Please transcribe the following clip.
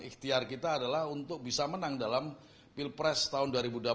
ikhtiar kita adalah untuk bisa menang dalam pilpres tahun dua ribu dua puluh